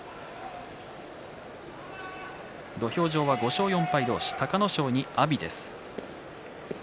土俵上は５勝４敗同士隆の勝に阿炎です。